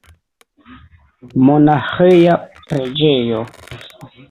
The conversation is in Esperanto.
Monaĥeja preĝejo.